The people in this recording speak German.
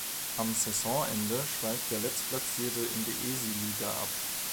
Am Saisonende steigt der Letztplatzierte in die Esiliiga ab.